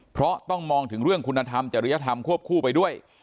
เพราะต้องมองถึงเรื่องคุณธรรมจริยธรรมควบคู่ไปด้วย